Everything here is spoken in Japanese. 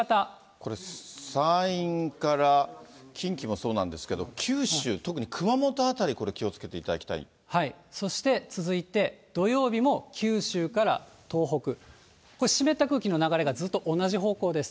これ、山陰から近畿もそうなんですけど、九州、特に熊本辺り、そして続いて、土曜日も九州から東北、これ、湿った空気の流れがずっと同じ方向です。